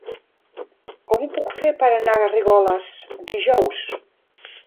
Com ho puc fer per anar a Garrigoles dijous?